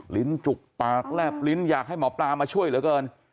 ลิ้นจุกปากแลบลิ้นอยากให้หมอปลามาช่วยเหลือเกิน